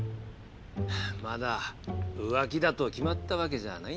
まだ浮気だと決まったわけじゃないんだろう？